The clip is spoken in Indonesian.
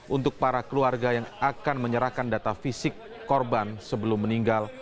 untuk para keluarga yang akan menyerahkan data fisik korban sebelum meninggal